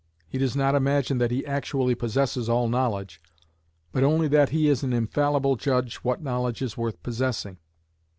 He does not imagine that he actually possesses all knowledge, but only that he is an infallible judge what knowledge is worth possessing.